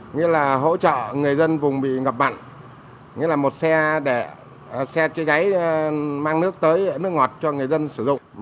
nghĩa là hỗ trợ người dân vùng bị ngập bặn nghĩa là một xe chế gáy mang nước tới nước ngọt cho người dân sử dụng